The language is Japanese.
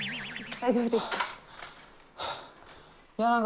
大丈夫ですか？